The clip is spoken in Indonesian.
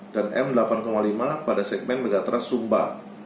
dan m delapan lima pada segmen megatrust sumba